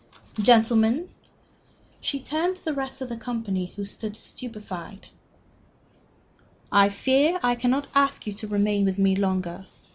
"Gentlemen" she turned to the rest of the company, who stood stupefied "I fear I cannot ask you to remain with me longer.